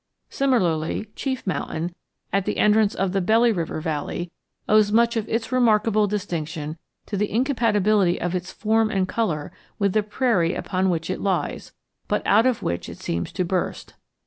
Similarly, Chief Mountain, at the entrance of the Belly River Valley, owes much of its remarkable distinction to the incompatibility of its form and color with the prairie upon which it lies but out of which it seems to burst.